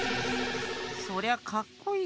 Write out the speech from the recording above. そりゃかっこいいけど。